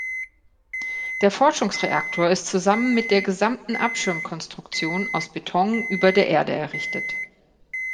Der Forschungsreaktor ist zusammen mit der gesamten Abschirm-Konstruktion aus Beton über der Erde errichtet.